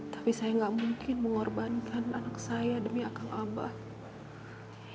tapi saya nggak mungkin mengorbankan anak saya demi akal abah